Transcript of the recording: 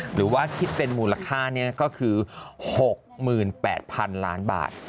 หรือว่าคิดเป็นมูลค่าก็คือ๖๘๐๐๐ล้านบาท